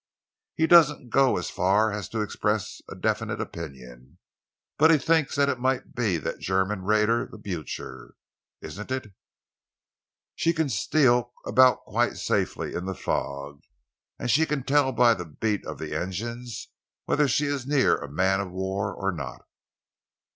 "He doesn't go as far as to express a definite opinion, but he thinks that it might be that German raider the Blucher, isn't it? She can steal about quite safely in the fog, and she can tell by the beat of the engines whether she is near a man of war or not."